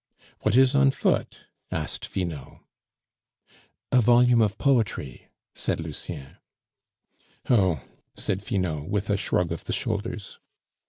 "What is on foot?" asked Finot. "A volume of poetry," said Lucien. "Oh!" said Finot, with a shrug of the shoulders.